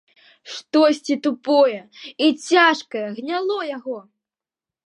Штосьці тупое і цяжкае гняло яго.